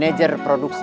sebagai manajer produksi